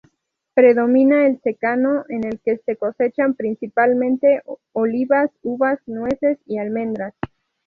Predomina el secano, en el que se cosechan principalmente, olivas, uvas, nueces y almendras.